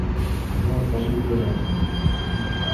L’ensemble est très dense.